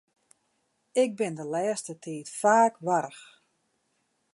Ik bin de lêste tiid faak warch.